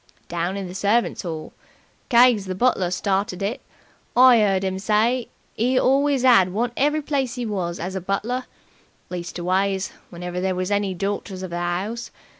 "Down in the servants' 'all. Keggs, the butler, started it. I 'eard 'im say he always 'ad one every place 'e was in as a butler leastways, whenever there was any dorters of the 'ouse.